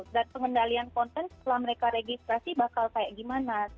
dan pengendalian konten setelah mereka registrasi bakal kayak gimana